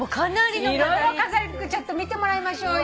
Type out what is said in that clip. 色々飾りちょっと見てもらいましょうよ。